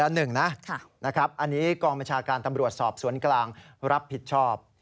อันนี้กองบัญชาการตำรวจสอบสวนกลางรับผิดชอบ